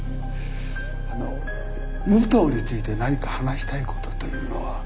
あの武藤について何か話したいことというのは？